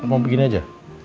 mau begini aja